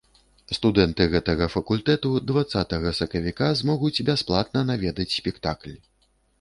Студэнты гэтага факультэту дваццатага сакавіка змогуць бясплатна наведаць спектакль.